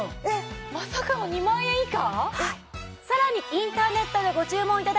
まさかの２万円以下？